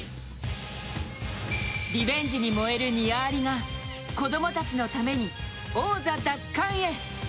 リベンジに燃えるニア・アリが子供たちのために王座奪還へ。